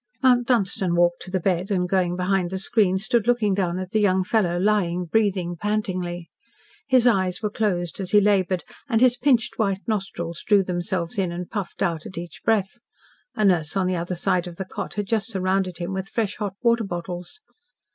Mount Dunstan walked to the bed, and, going behind the screen, stood looking down at the young fellow lying breathing pantingly. His eyes were closed as he laboured, and his pinched white nostrils drew themselves in and puffed out at each breath. A nurse on the other side of the cot had just surrounded him with fresh hot water bottles.